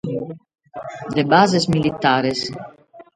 De bases militares.